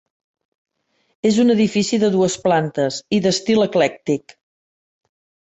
És un edifici de dues plantes i d'estil eclèctic.